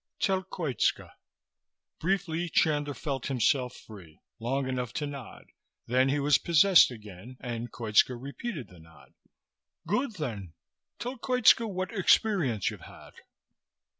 Tell Koitska." Briefly Chandler felt himself free long enough to nod; then he was possessed again, and Koitska repeated the nod. "Good, then. Tell Koitska what experience you've had."